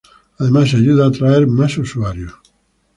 Además, ayuda a atraer más usuarios.